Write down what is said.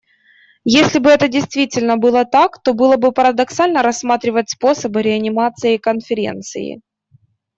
Если бы это действительно было так, то было бы парадоксально рассматривать способы реанимации Конференции.